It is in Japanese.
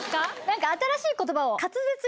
何か新しい言葉を。